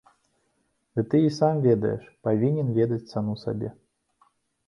Дый ты і сам ведаеш, павінен ведаць цану сабе.